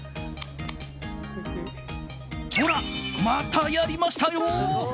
ほら、またやりましたよ！